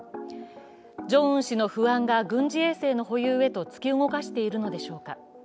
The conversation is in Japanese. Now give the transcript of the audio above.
ジョンウン氏の不安が軍事衛星の保有へと突き動かしているのでしょうか。